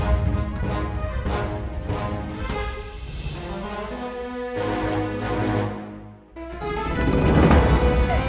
kau mau makan sesuatu gak